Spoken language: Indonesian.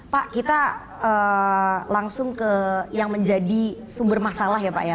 pak kita langsung ke yang menjadi sumber masalah ya pak ya